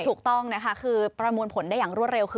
ถูกต้องนะคะคือประมวลผลได้อย่างรวดเร็วคือ